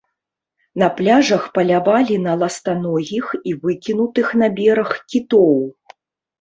На пляжах палявалі на ластаногіх і выкінутых на бераг кітоў.